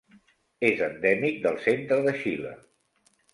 És endèmic del centre de Xile.